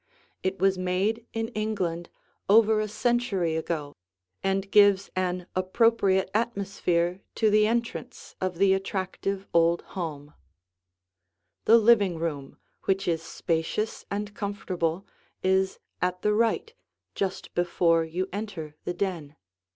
It was made in England over a century ago and gives an appropriate atmosphere to the entrance of the attractive old home. [Illustration: The Living Room] The living room, which is spacious and comfortable, is at the right just before you enter the den.